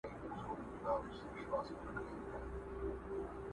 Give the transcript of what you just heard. پر خپل اوښ به دې بار سپک سي ښه به ځغلي.!